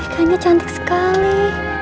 ikannya cantik sekali